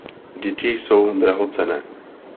Děti jsou drahocenné.